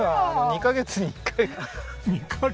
２カ月に１回！